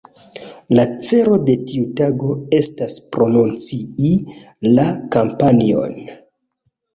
La celo de tiu tago estas promocii la kampanjon.